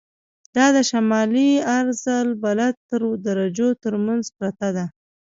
دا د شمالي عرض البلد تر درجو تر منځ پرته ده.